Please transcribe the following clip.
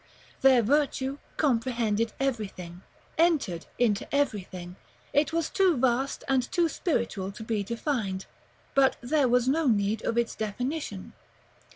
Their virtue comprehended everything, entered into everything; it was too vast and too spiritual to be defined; but there was no need of its definition.